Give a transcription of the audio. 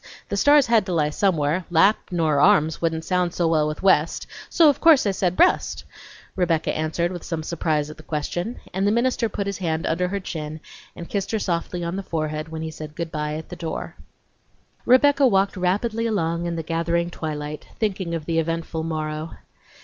The stars had to lie somewhere: 'LAP' nor 'ARMS' wouldn't sound well with West,' so, of course, I said 'BREAST,'" Rebecca answered, with some surprise at the question; and the minister put his hand under her chin and kissed her softly on the forehead when he said good by at the door. IV Rebecca walked rapidly along in the gathering twilight, thinking of the eventful morrow.